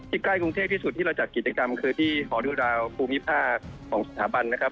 ใกล้กรุงเทพที่สุดที่เราจัดกิจกรรมคือที่หอดูราวภูมิภาคของสถาบันนะครับ